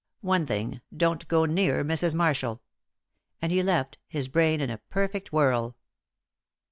One thing, don't go near Mrs. Marshall." And he left, his brain in a perfect whirl.